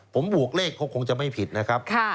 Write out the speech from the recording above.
ผมบวกเลขเขาคงจะไม่ผิดนะครับ